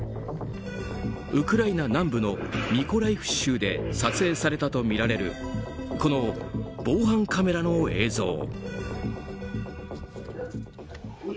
ウクライナ南部のミコライフ州で撮影されたとみられるこの防犯カメラの映像。